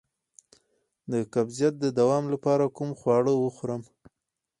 د قبضیت د دوام لپاره کوم خواړه وخورم؟